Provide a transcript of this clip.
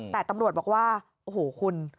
แต่ตำรวจบอกว่าโอ้โหคุณ